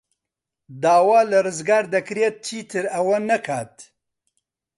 داوا لە ڕزگار دەکرێت چیتر ئەوە نەکات.